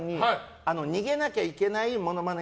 逃げなきゃいけないモノマネ